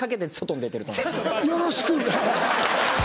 よろしく！